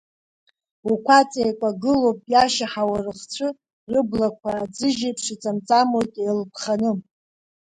Уқәаҵақәа еикәагылоуп, иашьаҳауа рыхцәы, рыблақәа, аӡыжь еиԥш, иҵамҵамуеит еилԥханы.